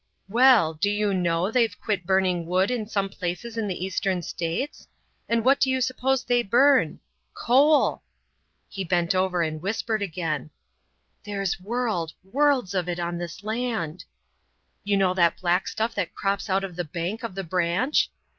Well, do you know, they've quit burning wood in some places in the Eastern States? And what do you suppose they burn? Coal!" [He bent over and whispered again:] "There's world worlds of it on this land! You know that black stuff that crops out of the bank of the branch?